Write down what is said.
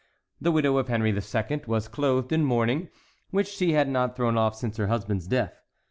The widow of Henry II. was clothed in mourning, which she had not thrown off since her husband's death.